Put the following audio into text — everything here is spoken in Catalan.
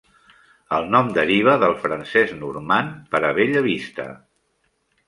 El nom deriva del francès normand per a "bella vista".